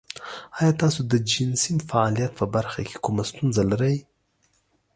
ایا تاسو د جنسي فعالیت په برخه کې کومه ستونزه لرئ؟